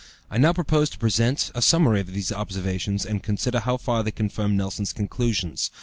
I now propose to present a summary of these observations, and consider how far they confirm Nelson's conclusions.